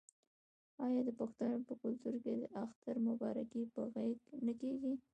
آیا د پښتنو په کلتور کې د اختر مبارکي په غیږ نه کیږي؟